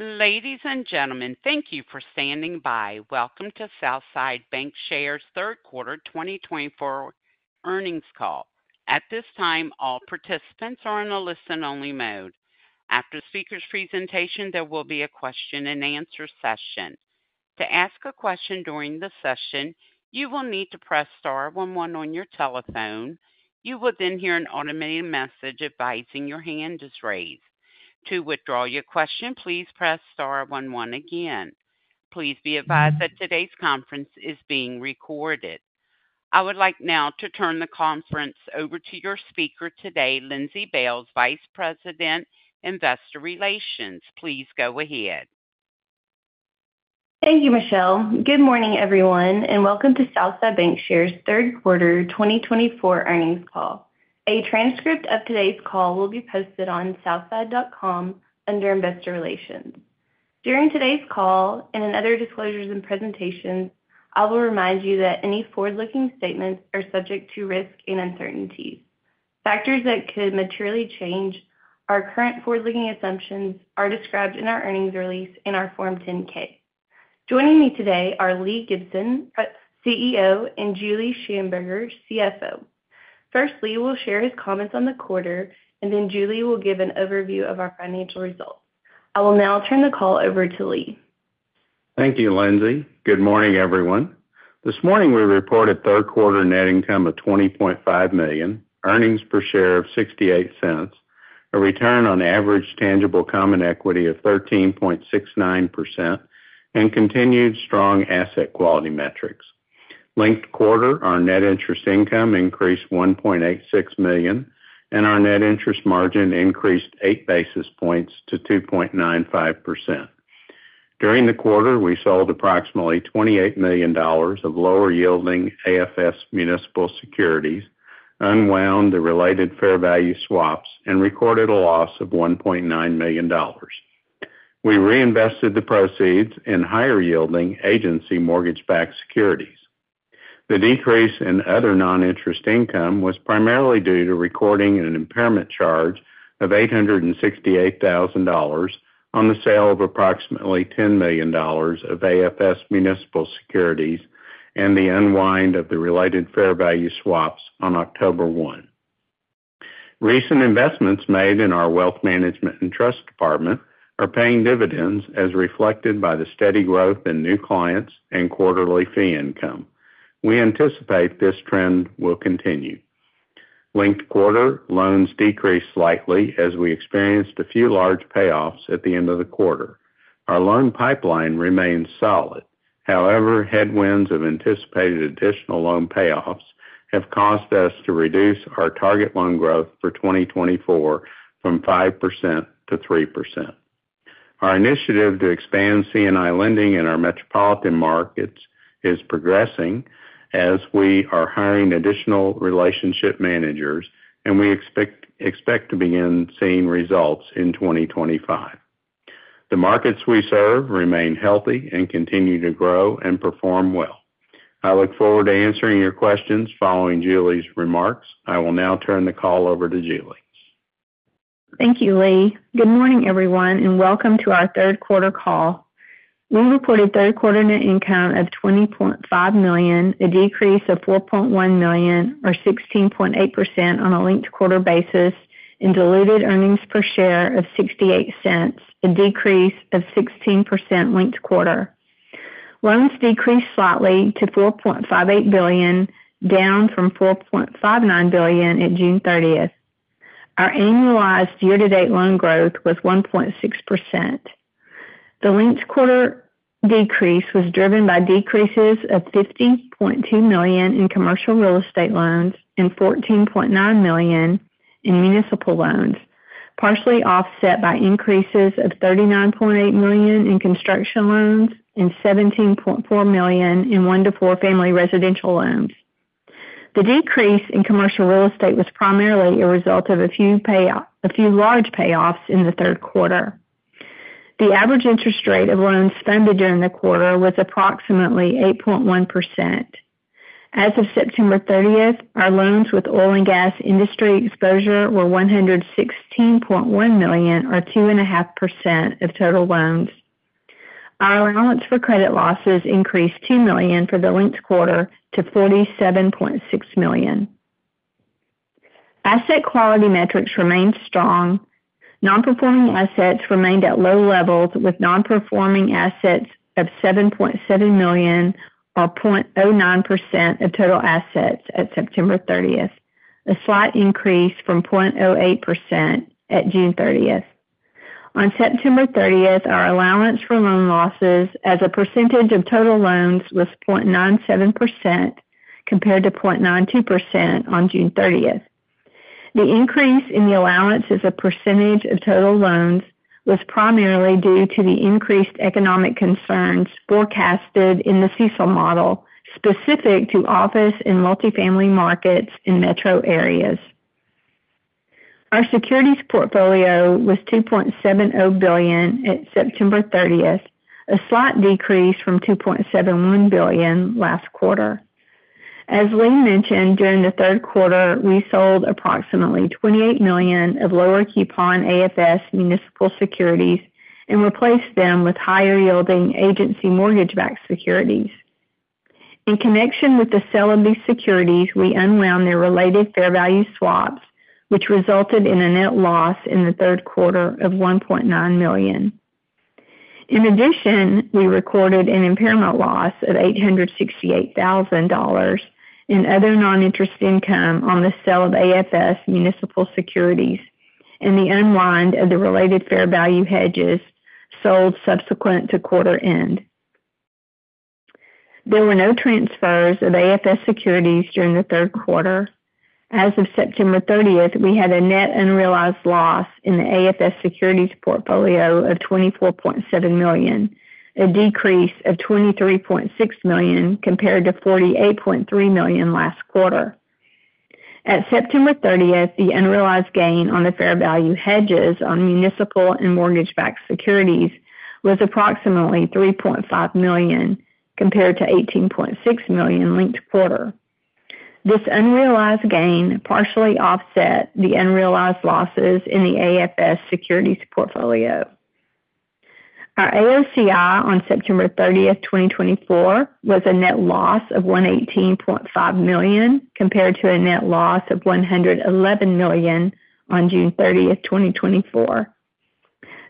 Ladies and gentlemen, thank you for standing by. Welcome to Southside Bancshares third quarter 2024 earnings call. At this time, all participants are in a listen-only mode. After the speaker's presentation, there will be a question-and-answer session. To ask a question during the session, you will need to press star one one on your telephone. You will then hear an automated message advising your hand is raised. To withdraw your question, please press star one one again. Please be advised that today's conference is being recorded. I would like now to turn the conference over to your speaker today, Lindsey Bailes, Vice President, Investor Relations. Please go ahead. Thank you, Michelle. Good morning, everyone, and welcome to Southside Bancshares third quarter 2024 earnings call. A transcript of today's call will be posted on southside.com under Investor Relations. During today's call, and in other disclosures and presentations, I will remind you that any forward-looking statements are subject to risk and uncertainties. Factors that could materially change our current forward-looking assumptions are described in our earnings release in our Form 10-K. Joining me today are Lee Gibson, CEO, and Julie Shamburger, CFO. First, Lee will share his comments on the quarter, and then Julie will give an overview of our financial results. I will now turn the call over to Lee. Thank you, Lindsey. Good morning, everyone. This morning, we reported third quarter net income of $20.5 million, earnings per share of $0.68, a return on average tangible common equity of 13.69%, and continued strong asset quality metrics. Linked quarter, our net interest income increased $1.86 million, and our net interest margin increased eight basis points to 2.95%. During the quarter, we sold approximately $28 million of lower-yielding AFS municipal securities, unwound the related fair value swaps, and recorded a loss of $1.9 million. We reinvested the proceeds in higher-yielding agency mortgage-backed securities. The decrease in other non-interest income was primarily due to recording an impairment charge of $868,000 on the sale of approximately $10 million of AFS municipal securities and the unwind of the related fair value swaps on October 1. Recent investments made in our wealth management and trust department are paying dividends, as reflected by the steady growth in new clients and quarterly fee income. We anticipate this trend will continue. Linked quarter loans decreased slightly as we experienced a few large payoffs at the end of the quarter. Our loan pipeline remains solid. However, headwinds of anticipated additional loan payoffs have caused us to reduce our target loan growth for 2024 from 5% to 3%. Our initiative to expand C&I lending in our metropolitan markets is progressing as we are hiring additional relationship managers, and we expect to begin seeing results in 2025. The markets we serve remain healthy and continue to grow and perform well. I look forward to answering your questions following Julie's remarks. I will now turn the call over to Julie. Thank you, Lee. Good morning, everyone, and welcome to our third quarter call. We reported third quarter net income of $20.5 million, a decrease of $4.1 million, or 16.8% on a linked quarter basis, and diluted earnings per share of $0.68, a decrease of 16% linked quarter. Loans decreased slightly to $4.58 billion, down from $4.59 billion at June 30th. Our annualized year-to-date loan growth was 1.6%. The linked quarter decrease was driven by decreases of $50.2 million in commercial real estate loans and $14.9 million in municipal loans, partially offset by increases of $39.8 million in construction loans and $17.4 million in one to four family residential loans. The decrease in commercial real estate was primarily a result of a few large payoffs in the third quarter. The average interest rate of loans funded during the quarter was approximately 8.1%. As of September 30th, our loans with oil and gas industry exposure were $116.1 million, or 2.5% of total loans. Our allowance for credit losses increased $2 million for the linked quarter to $47.6 million. Asset quality metrics remained strong. Non-performing assets remained at low levels, with non-performing assets of $7.7 million, or 0.09% of total assets at September 30th, a slight increase from 0.08% at June 30th. On September 30th, our allowance for loan losses as a percentage of total loans was 0.97%, compared to 0.92% on June 30th. The increase in the allowance as a percentage of total loans was primarily due to the increased economic concerns forecasted in the CECL model, specific to office and multifamily markets in metro areas. Our securities portfolio was $2.70 billion at September 30th, a slight decrease from $2.71 billion last quarter. As Lee mentioned, during the third quarter, we sold approximately $28 million of lower coupon AFS municipal securities and replaced them with higher-yielding agency mortgage-backed securities. In connection with the sale of these securities, we unwound their related fair value swaps, which resulted in a net loss in the third quarter of $1.9 million. In addition, we recorded an impairment loss of $868,000 in other noninterest income on the sale of AFS municipal securities and the unwind of the related fair value hedges sold subsequent to quarter end. There were no transfers of AFS securities during the third quarter. As of September 30th, we had a net unrealized loss in the AFS securities portfolio of $24.7 million, a decrease of $23.6 million compared to $48.3 million last quarter. At September 30th, the unrealized gain on the fair value hedges on municipal and mortgage-backed securities was approximately $3.5 million, compared to $18.6 million linked quarter. This unrealized gain partially offset the unrealized losses in the AFS securities portfolio. Our AOCI on September 30th, 2024, was a net loss of $118.5 million, compared to a net loss of $111 million on June 30th, 2024.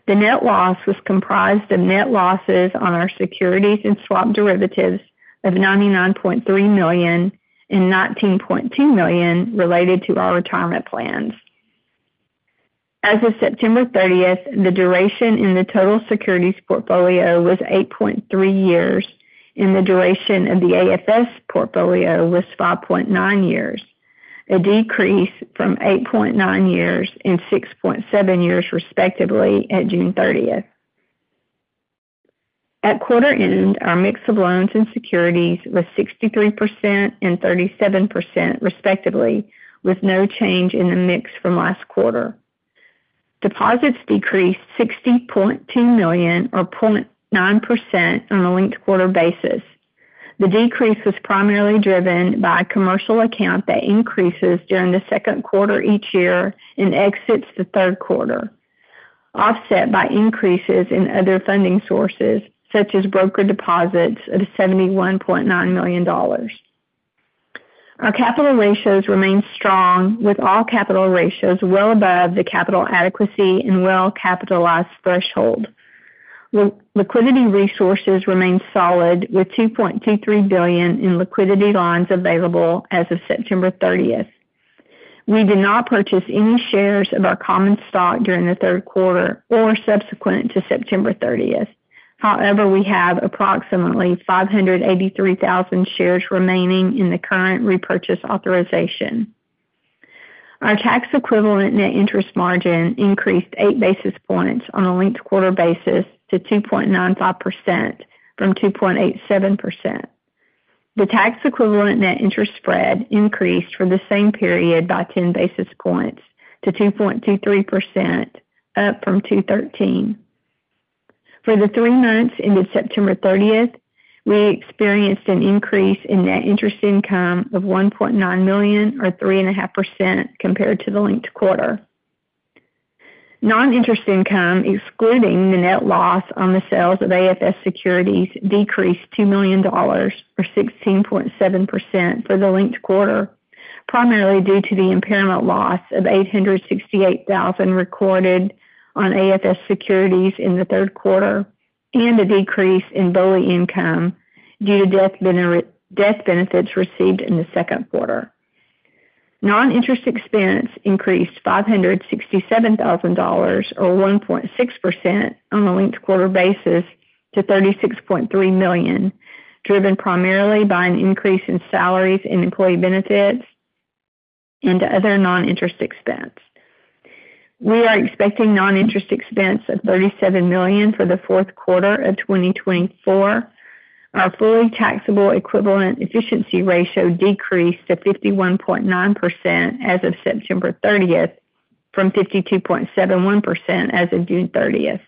The net loss was comprised of net losses on our securities and swap derivatives of $99.3 million and $19.2 million related to our retirement plans. As of September 30th, the duration in the total securities portfolio was 8.3 years, and the duration of the AFS portfolio was 5.9 years, a decrease from 8.9 years and 6.7 years, respectively, at June 30th. At quarter end, our mix of loans and securities was 63% and 37%, respectively, with no change in the mix from last quarter. Deposits decreased $60.2 million, or 0.9% on a linked quarter basis. The decrease was primarily driven by a commercial account that increases during the second quarter each year and exits the third quarter, offset by increases in other funding sources, such as broker deposits of $71.9 million. Our capital ratios remain strong, with all capital ratios well above the capital adequacy and well-capitalized threshold. Liquidity resources remain solid, with $2.23 billion in liquidity lines available as of September 30th. We did not purchase any shares of our common stock during the third quarter or subsequent to September 30th. However, we have approximately 583,000 shares remaining in the current repurchase authorization. Our tax equivalent net interest margin increased eight basis points on a linked quarter basis to 2.95% from 2.87%. The tax equivalent net interest spread increased for the same period by 10 basis points to 2.23%, up from 2.13%. For the three months ended September 30th, we experienced an increase in net interest income of $1.9 million, or 3.5% compared to the linked quarter. Noninterest income, excluding the net loss on the sales of AFS securities, decreased $2 million, or 16.7%, for the linked quarter, primarily due to the impairment loss of $868,000 recorded on AFS securities in the third quarter and a decrease in BOLI income due to death benefits received in the second quarter. Noninterest expense increased $567,000, or 1.6%, on a linked quarter basis to $36.3 million, driven primarily by an increase in salaries and employee benefits and other noninterest expense. We are expecting noninterest expense of $37 million for the fourth quarter of 2024. Our fully taxable equivalent efficiency ratio decreased to 51.9% as of September 30th, from 52.71% as of June 30th.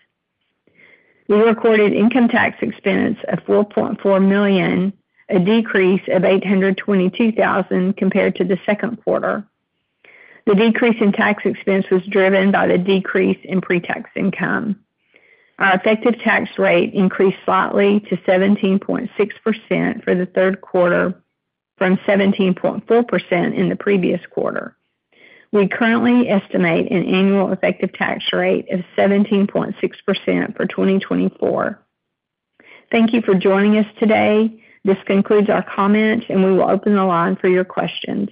We recorded income tax expense of $4.4 million, a decrease of $822,000 compared to the second quarter. The decrease in tax expense was driven by the decrease in pretax income. Our effective tax rate increased slightly to 17.6% for the third quarter from 17.4% in the previous quarter. We currently estimate an annual effective tax rate of 17.6% for 2024. Thank you for joining us today. This concludes our comments, and we will open the line for your questions.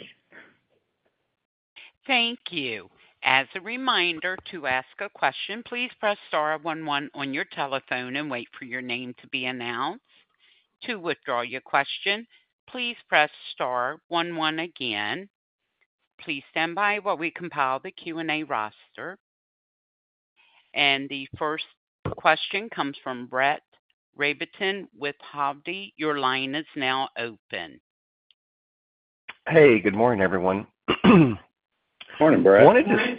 Thank you. As a reminder, to ask a question, please press star one one on your telephone and wait for your name to be announced. To withdraw your question, please press star one one again. Please stand by while we compile the Q&A roster. And the first question comes from Brett Rabatin with Hovde. Your line is now open. Hey, good morning, everyone. Morning, Brett....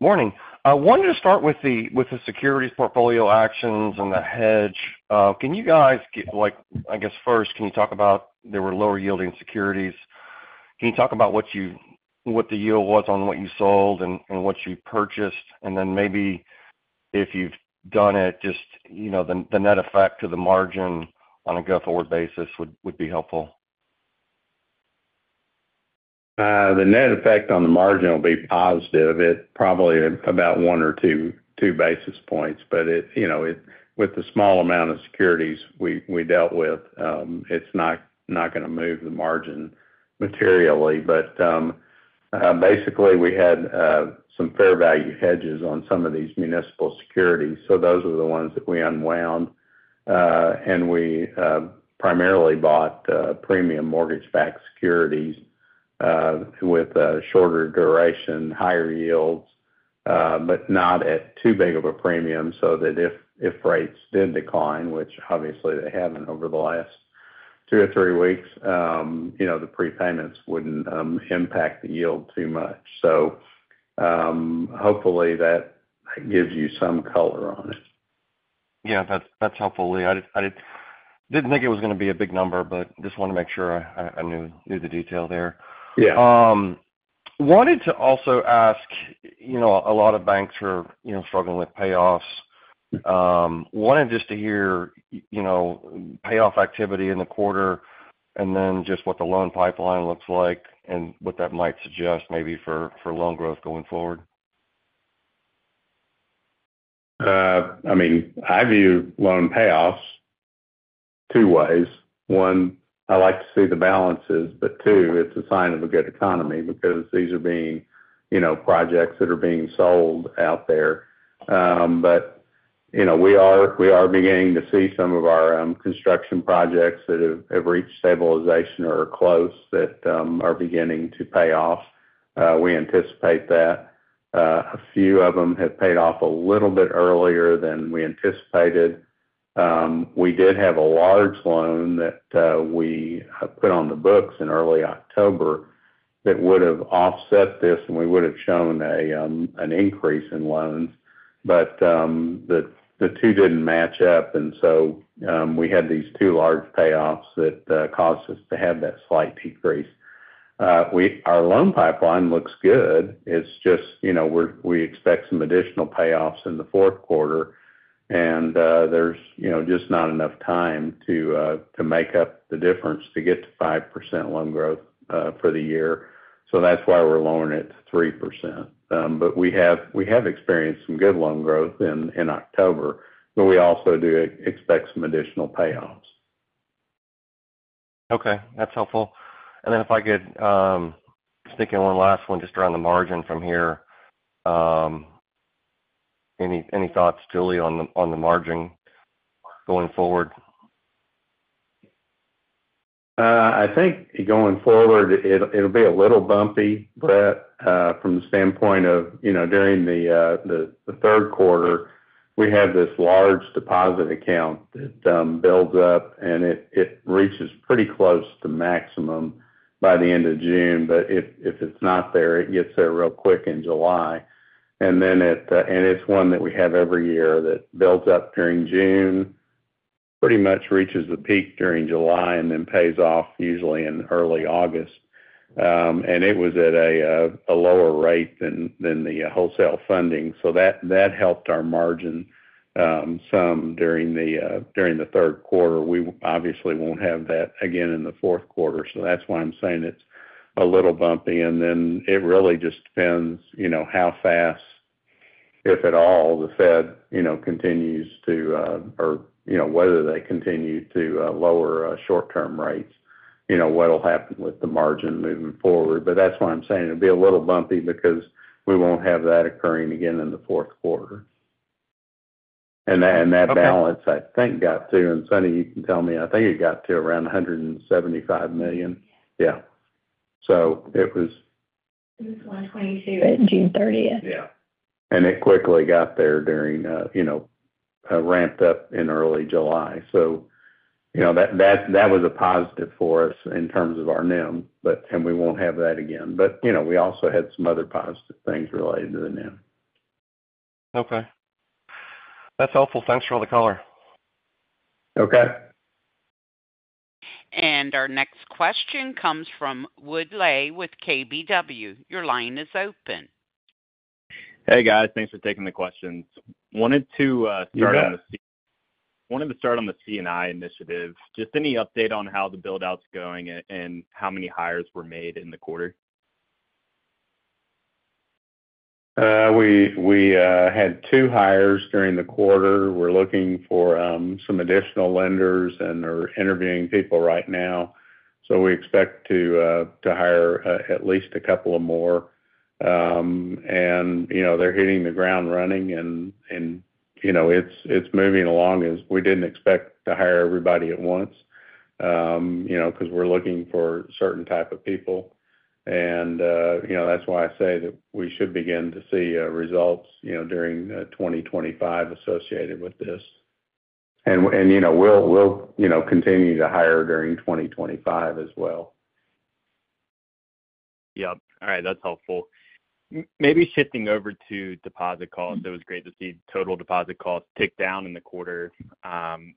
Morning. I wanted to start with the securities portfolio actions and the hedge. Can you guys give like, I guess, first, can you talk about there were lower yielding securities? Can you talk about what the yield was on what you sold and what you purchased? And then maybe if you've done it, just, you know, the net effect to the margin on a go-forward basis would be helpful. The net effect on the margin will be positive. It's probably about one or two to two basis points, but you know, with the small amount of securities we dealt with, it's not gonna move the margin materially. Basically, we had some fair value hedges on some of these municipal securities, so those are the ones that we unwound. We primarily bought premium mortgage-backed securities with a shorter duration, higher yields, but not at too big of a premium, so that if rates did decline, which obviously they haven't over the last two or three weeks, you know, the prepayments wouldn't impact the yield too much. Hopefully, that gives you some color on it. Yeah, that's helpful, Lee. I didn't think it was gonna be a big number, but just wanted to make sure I knew the detail there. Yeah. Wanted to also ask, you know, a lot of banks are, you know, struggling with payoffs. Wanted just to hear, you know, payoff activity in the quarter, and then just what the loan pipeline looks like and what that might suggest maybe for loan growth going forward. I mean, I view loan payoffs two ways. One, I like to see the balances, but two, it's a sign of a good economy because these are being, you know, projects that are being sold out there. But, you know, we are beginning to see some of our construction projects that have reached stabilization or close that are beginning to pay off. We anticipate that. A few of them have paid off a little bit earlier than we anticipated. We did have a large loan that we put on the books in early October that would have offset this, and we would have shown an increase in loans. But the two didn't match up, and so we had these two large payoffs that caused us to have that slight decrease. Our loan pipeline looks good. It's just, you know, we expect some additional payoffs in the fourth quarter, and there's, you know, just not enough time to make up the difference to get to 5% loan growth for the year. So that's why we're lowering it to 3%, but we have experienced some good loan growth in October, but we also do expect some additional payoffs. Okay, that's helpful. And then if I could sneak in one last one just around the margin from here. Any thoughts, Julie, on the margin going forward? I think going forward, it'll be a little bumpy, Brett. From the standpoint of, you know, during the third quarter, we had this large deposit account that builds up, and it reaches pretty close to maximum by the end of June. But if it's not there, it gets there real quick in July. And then it's one that we have every year, that builds up during June, pretty much reaches the peak during July, and then pays off usually in early August. And it was at a lower rate than the wholesale funding, so that helped our margin some during the third quarter. We obviously won't have that again in the fourth quarter, so that's why I'm saying it's a little bumpy. And then it really just depends, you know, how fast, if at all, the Fed, you know, continues to, you know, whether they continue to lower short-term rates, you know, what'll happen with the margin moving forward. But that's why I'm saying it'll be a little bumpy because we won't have that occurring again in the fourth quarter. And that- Okay. That balance, I think, got to, and Suni, you can tell me, I think it got to around $175 million. Yeah. Yeah. So it was- It was 1.22 at June 30th. Yeah. And it quickly got there during, you know, ramped up in early July. So, you know, that was a positive for us in terms of our NIM, but. And we won't have that again. But, you know, we also had some other positive things related to the NIM. Okay. That's helpful. Thanks for all the color. Okay. Our next question comes from Wood Lay with KBW. Your line is open. Hey, guys. Thanks for taking the questions. Wanted to start- You bet. Wanted to start on the C&I initiative. Just any update on how the build-out's going and how many hires were made in the quarter? We had two hires during the quarter. We're looking for some additional lenders and are interviewing people right now, so we expect to hire at least a couple more. And you know, they're hitting the ground running, and you know, it's moving along as we didn't expect to hire everybody at once, you know, 'cause we're looking for certain type of people. And you know, that's why I say that we should begin to see results, you know, during 2025 associated with this. And you know, we'll continue to hire during 2025 as well.... Yep. All right, that's helpful. Maybe shifting over to deposit costs, it was great to see total deposit costs tick down in the quarter.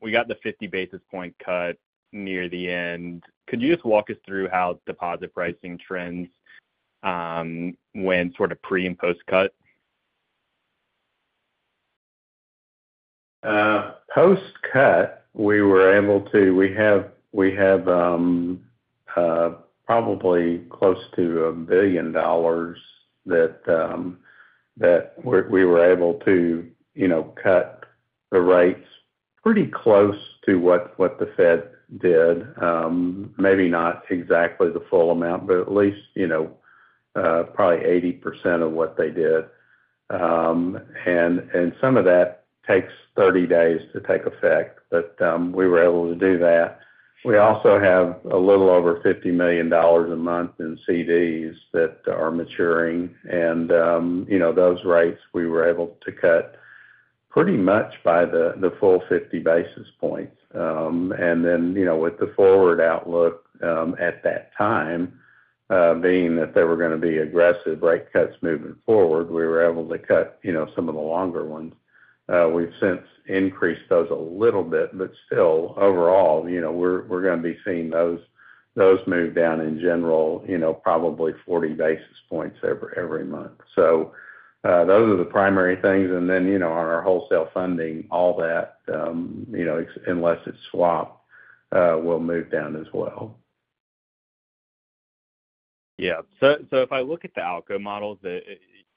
We got the 50 basis point cut near the end. Could you just walk us through how deposit pricing trends went sort of pre- and post-cut? Post-cut, we were able to. We have probably close to $1 billion that we were able to, you know, cut the rates pretty close to what the Fed did. Maybe not exactly the full amount, but at least, you know, probably 80% of what they did. And some of that takes 30 days to take effect, but we were able to do that. We also have a little over $50 million a month in CDs that are maturing, and, you know, those rates, we were able to cut pretty much by the full 50 basis points. And then, you know, with the forward outlook, at that time, being that they were going to be aggressive rate cuts moving forward, we were able to cut, you know, some of the longer ones. We've since increased those a little bit, but still, overall, you know, we're going to be seeing those move down in general, you know, probably 40 basis points over every month. So, those are the primary things. And then, you know, on our wholesale funding, all that, ex- unless it's swap, will move down as well. Yeah. So if I look at the ALCO models,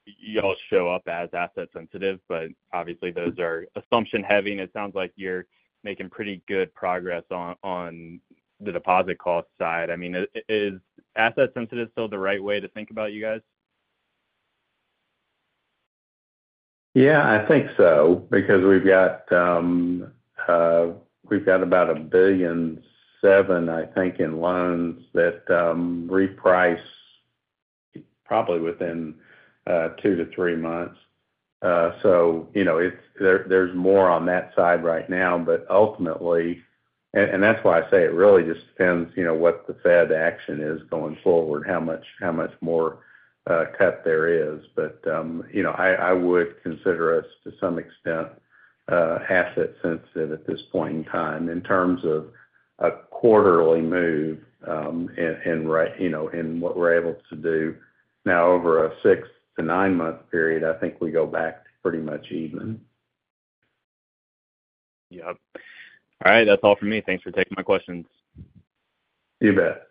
you all show up as asset sensitive, but obviously those are assumption-heavy, and it sounds like you're making pretty good progress on the deposit cost side. I mean, is asset sensitive still the right way to think about you guys? Yeah, I think so, because we've got about $1.7 billion, I think, in loans that reprice probably within 2-3 months. So, you know, it's there. There's more on that side right now, but ultimately. And that's why I say it really just depends, you know, what the Fed action is going forward, how much more cut there is. But, you know, I would consider us, to some extent, asset sensitive at this point in time. In terms of a quarterly move and right, you know, and what we're able to do now over a six- to nine-month period, I think we go back to pretty much even. Yep. All right, that's all for me. Thanks for taking my questions. You bet.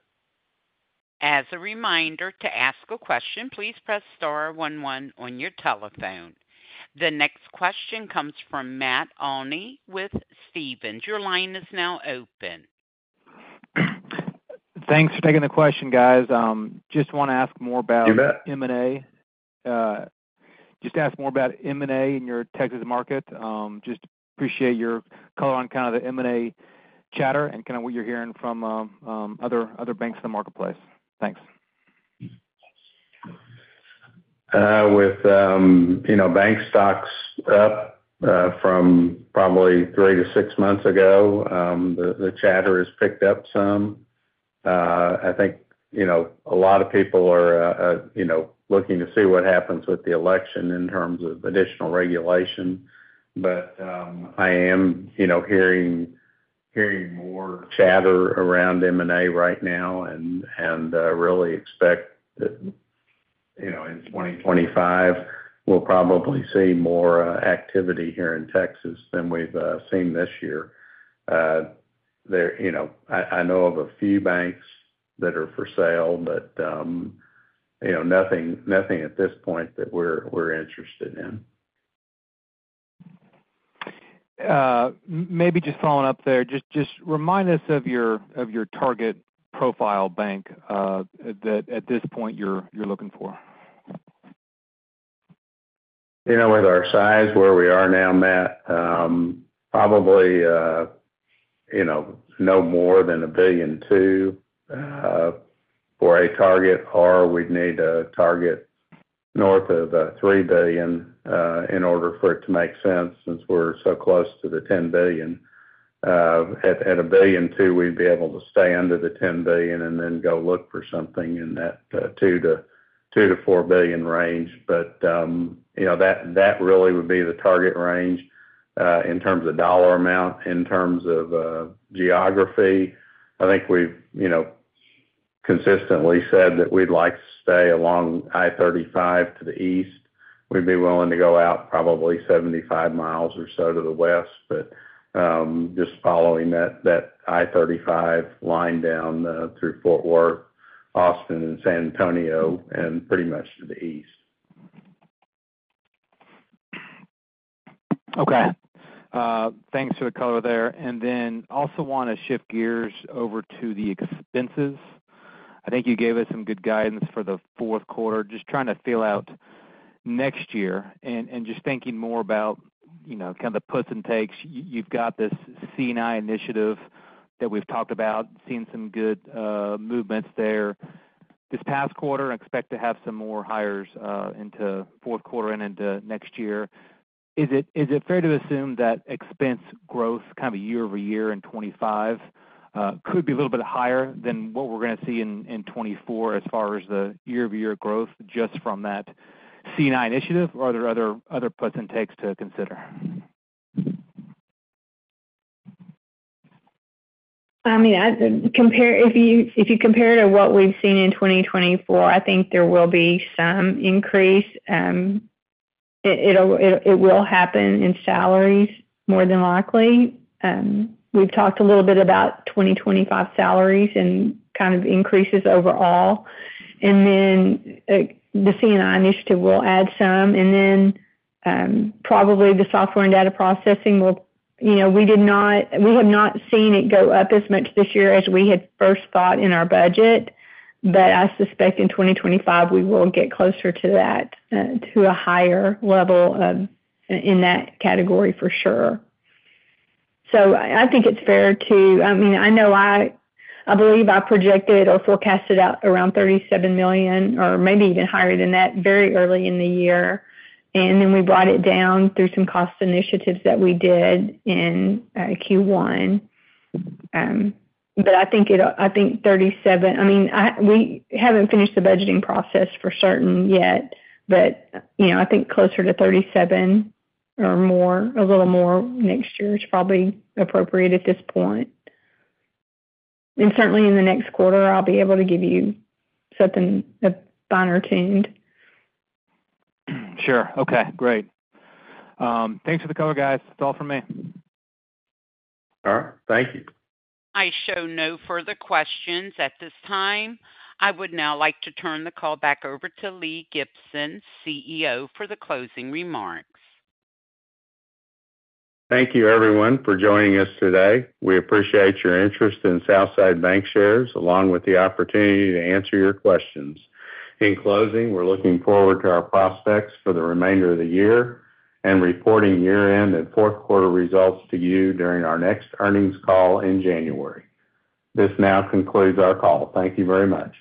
As a reminder, to ask a question, please press star one one on your telephone. The next question comes from Matt Olney with Stephens. Your line is now open. Thanks for taking the question, guys. Just want to ask more about- You bet. M&A. Just to ask more about M&A in your Texas market. Just appreciate your color on kind of the M&A chatter and kind of what you're hearing from other banks in the marketplace. Thanks. With you know bank stocks up from probably three to six months ago, the chatter has picked up some. I think you know a lot of people are you know looking to see what happens with the election in terms of additional regulation. But I am you know hearing more chatter around M&A right now and really expect that you know in 2025 we'll probably see more activity here in Texas than we've seen this year. You know I know of a few banks that are for sale but you know nothing at this point that we're interested in. Maybe just following up there, just remind us of your target profile bank that at this point, you're looking for? You know, with our size, where we are now, Matt, probably, you know, no more than $1.2 billion for a target, or we'd need a target north of $3 billion in order for it to make sense, since we're so close to the $10 billion. At $1.2 billion, we'd be able to stay under the $10 billion and then go look for something in that $2 billion-$4 billion range. But you know, that really would be the target range in terms of dollar amount. In terms of geography, I think we've you know, consistently said that we'd like to stay along I-35 to the east. We'd be willing to go out probably 75 miles or so to the west, but just following that I-35 line down through Fort Worth, Austin, and San Antonio, and pretty much to the east. Okay. Thanks for the color there. And then also want to shift gears over to the expenses. I think you gave us some good guidance for the fourth quarter. Just trying to feel out next year and just thinking more about, you know, kind of the puts and takes. You've got this C&I initiative that we've talked about, seeing some good movements there. This past quarter, I expect to have some more hires into fourth quarter and into next year. Is it fair to assume that expense growth, kind of year-over-year in 2025, could be a little bit higher than what we're gonna see in 2024 as far as the year-over-year growth, just from that C&I initiative? Or are there other puts and takes to consider? I mean, if you, if you compare it to what we've seen in 2024, I think there will be some increase. It will happen in salaries, more than likely. We've talked a little bit about 2025 salaries and kind of increases overall. And then, the C&I initiative will add some, and then, probably the software and data processing will. You know, we have not seen it go up as much this year as we had first thought in our budget, but I suspect in 2025, we will get closer to that, to a higher level of, in that category, for sure. So I think it's fair to. I mean, I know I believe I projected or forecasted out around $37 million, or maybe even higher than that, very early in the year, and then we brought it down through some cost initiatives that we did in Q1. But I think it'll. I think 37. I mean, I, we haven't finished the budgeting process for certain yet, but, you know, I think closer to 37 or more, a little more next year is probably appropriate at this point. And certainly, in the next quarter, I'll be able to give you something finer-tuned. Sure. Okay, great. Thanks for the cover, guys. That's all from me. All right, thank you. I show no further questions at this time. I would now like to turn the call back over to Lee Gibson, CEO, for the closing remarks. Thank you, everyone, for joining us today. We appreciate your interest in Southside Bancshares, along with the opportunity to answer your questions. In closing, we're looking forward to our prospects for the remainder of the year and reporting year-end and fourth quarter results to you during our next earnings call in January. This now concludes our call. Thank you very much.